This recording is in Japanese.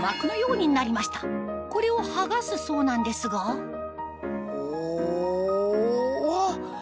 これを剥がすそうなんですがおうわっ！